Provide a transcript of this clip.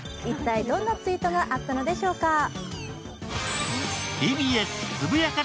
一体どんなツイートがあったのでしょうか。